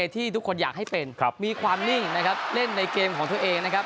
ที่ทุกคนอยากให้เป็นมีความนิ่งเล่นในเกมของตัวเอง